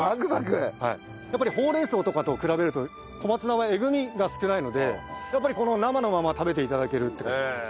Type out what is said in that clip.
やっぱりほうれん草とかと比べると小松菜はえぐみが少ないのでやっぱりこの生のまま食べて頂けるって感じですね。